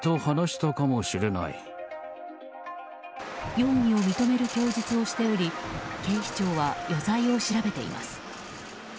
容疑を認める供述をしており警視庁は余罪を調べています。